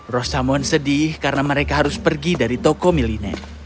rosamund sedih karena mereka harus pergi dari toko miliner